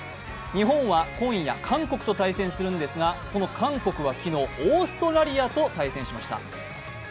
日本は今夜、韓国と対戦するんですが、その韓国は昨日オーストラリアと対戦しました。